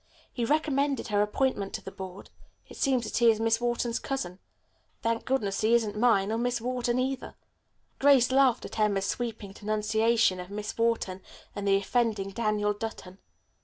He recommended her appointment to the Board. It seems that he is Miss Wharton's cousin. Thank goodness he isn't mine, or Miss Wharton either." Grace laughed at Emma's sweeping denunciation of Miss Wharton and the offending Daniel Dutton.